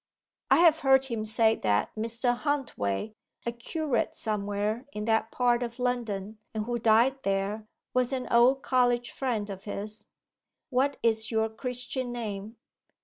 'I have heard him say that Mr. Huntway, a curate somewhere in that part of London, and who died there, was an old college friend of his.' 'What is your Christian name?